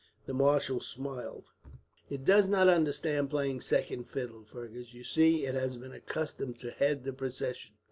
The marshal smiled. "It does not understand playing second fiddle, Fergus. You see, it has been accustomed to head the procession."